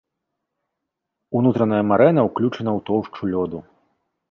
Унутраная марэна ўключана ў тоўшчу лёду.